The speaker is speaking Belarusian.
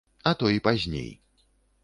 А то і пазней.